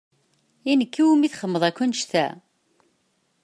I nekk i wumi txedmeḍ akk annect-a?